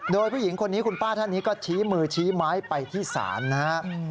โดยผู้หญิงคนนี้คุณป้าท่านนี้ก็ชี้มือชี้ไม้ไปที่ศาลนะครับ